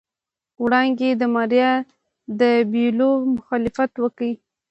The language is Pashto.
وړانګې د ماريا د بيولو مخالفت وکړ.